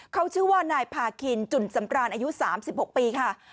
เขาชื่อว่านายพาคินจุ่นสำรานอายุ๓๖ปีค่ะ